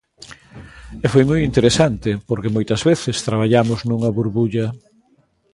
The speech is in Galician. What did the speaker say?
E foi moi interesante, porque moitas veces traballamos nunha burbulla.